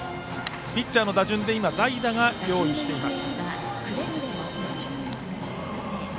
ピッチャーの打順で代打が用意しています。